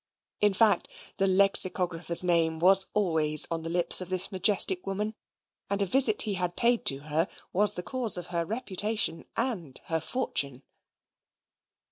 In fact, the Lexicographer's name was always on the lips of this majestic woman, and a visit he had paid to her was the cause of her reputation and her fortune.